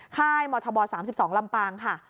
ค่ายมธบ๓๒ลำปางค่ะ